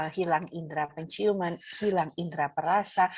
hilang indera penciuman hilang indera perasa